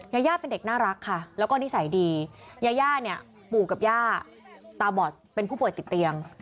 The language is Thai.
ยาย่าเป็นเด็กน่ารักค่ะแล้วก็นิสัยดียาย่าเนี่ยปู่กับย่าตาบอดเป็นผู้ป่วยติดเตียง